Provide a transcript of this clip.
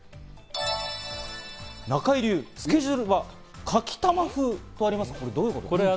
中井流、つけ汁はかきたま風とありますが、どういうことですか？